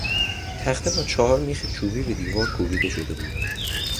تخته با چهار میخ چوبی به دیوار کوبیده شده بود.